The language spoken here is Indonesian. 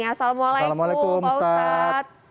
assalamualaikum pak ustadz